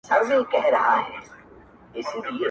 o دا ځل به درود پر انسان چوف کړم چي انسان پاته سي.